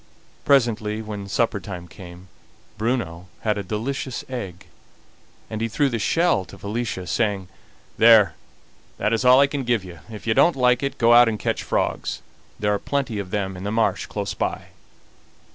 Presently, when supper time came, Bruno had a delicious egg, and he threw the shell to Felicia, saying: "There, that is all I can give you; if you don't like it, go out and catch frogs; there are plenty of them in the marsh close by."